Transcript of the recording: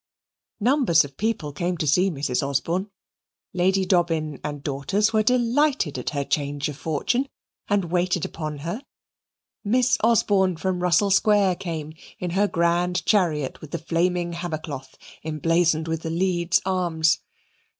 Numbers of people came to see Mrs. Osborne. Lady Dobbin and daughters were delighted at her change of fortune, and waited upon her. Miss Osborne from Russell Square came in her grand chariot with the flaming hammer cloth emblazoned with the Leeds arms.